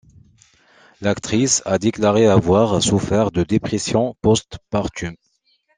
L'actrice a déclaré avoir souffert de dépression post-partum.